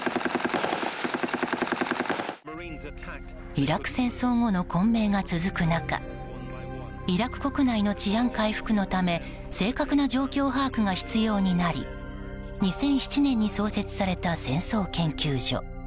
イラク戦争後の混迷が続く中イラク国内の治安回復のため正確な状況把握が必要になり２００７年に創設された戦争研究所。